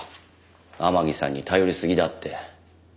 天樹さんに頼りすぎだって。